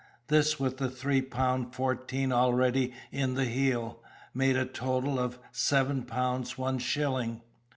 This, with the three pound fourteen already in the heel, made a total of seven pounds one shilling.